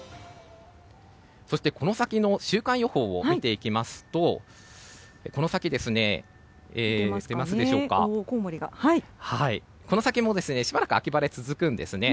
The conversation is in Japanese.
そして、この先の週間予報を見ていきますとこの先もしばらく秋晴れが続くんですね。